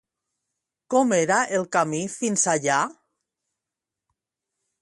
Com era el camí fins allà?